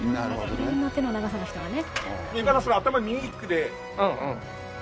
いろんな手の長さの人がね。